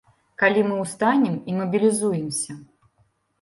Калі мы ўстанем і мабілізуемся.